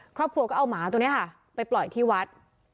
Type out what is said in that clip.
ครอบครัวก็เอาหมาตัวนี้ค่ะไปปล่อยที่วัด